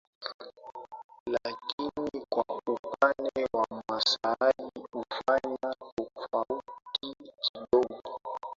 Lakini kwa upande wa wamasai hufanya tofauti kidogo